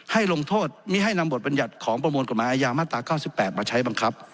ให้ลงโทษมิให้นำบทบรรยัติของประมวลกฎหมายอาญามาตรา๙๘มาใช้บังคับ